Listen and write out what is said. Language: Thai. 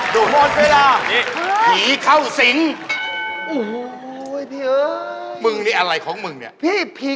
ดูหมดเวลานี่ผีเข้าสิงโอ้โหพี่เออมึงนี่อะไรของมึงเนี่ย